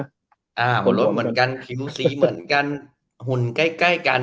อ่าหลุดเหมือนกันคิวซีเหมือนกันหุ่นใกล้กัน